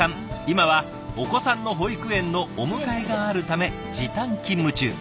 今はお子さんの保育園のお迎えがあるため時短勤務中。